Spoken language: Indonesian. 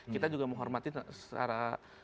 kita juga menghormati secara